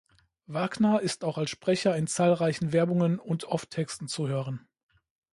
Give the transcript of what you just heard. Wagner ist auch als Sprecher in zahlreichen Werbungen und Off-Texten zu hören.